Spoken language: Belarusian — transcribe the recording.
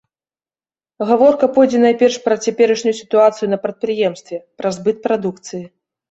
Гаворка пойдзе найперш пра цяперашнюю сітуацыю на прадпрыемстве, пра збыт прадукцыі.